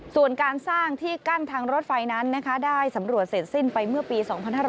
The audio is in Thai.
ส่วนการสร้างที่กั้นทางรถไฟนั้นได้สำรวจเสร็จสิ้นไปเมื่อปี๒๕๕๙